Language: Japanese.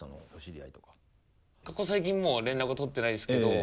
ここ最近もう連絡は取ってないですけど。